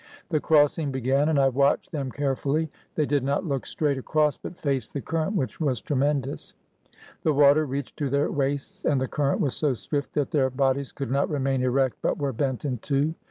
The crossing began, and I watched them care fully. They did not look straight across, but faced the current, which was tremendous. The water reached to their waists, and the current was so swift that their bod ies could not remain erect, but were bent in two.